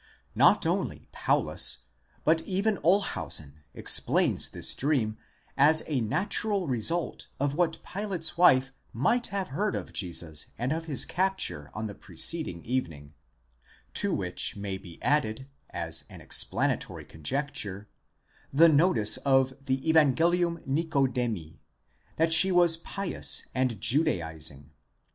Not only Paulus, but even Olshausen, explains this dream as a natural result of what Pilate's wife might have heard of Jesus and of his capture on the preceding evening ; to which may be added as an explanatory conjecture, the notice of the Zvan gelium Nicodemi, that she was pious, θεοσεβὴς, and judaizing, iovdaifovea.